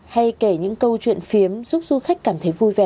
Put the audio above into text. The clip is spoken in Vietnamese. hay kể những câu chuyện phiếm giúp du khách trải nghiệm hoạt động thú vị này